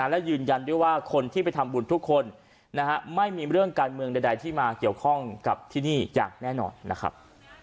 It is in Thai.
และยืนยันด้วยว่าคนที่ไปทำบุญทุกคนไม่มีเรื่องการเมืองใดที่มาเกี่ยวข้องกับที่นี่อย่างแน่นอนนะครับ